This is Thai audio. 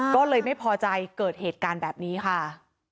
ก็เลยไม่พอใจเกิดเหตุการณ์แบบนี้ค่ะ